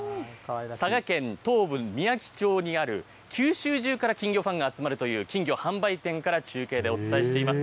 佐賀県東部みやき町にある九州中から金魚ファンが集まるという、金魚販売店から中継でお伝えしています。